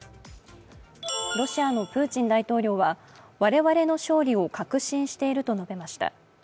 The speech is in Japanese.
ロシアのプーチン大統領は我々の勝利を確信していると述べました。